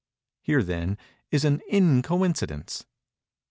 Here, then, is an _in_coincidence.